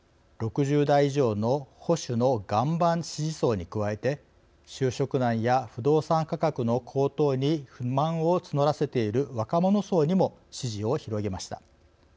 ６０代以上の保守の岩盤支持層に加えて就職難や不動産価格の高騰に不満を募らせている若者層にも支持を広げました。